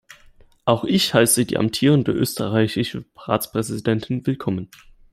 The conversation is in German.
Auch ich heiße die amtierende österreichische Ratspräsidentin willkommen.